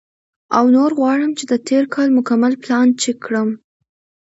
او نور غواړم چې د تېر کال مکمل پلان چیک کړم،